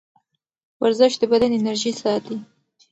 ورزش د بدن انرژي ساتي.